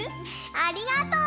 ありがとう！